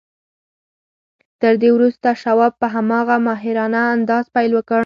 تر دې وروسته شواب په هماغه ماهرانه انداز پیل وکړ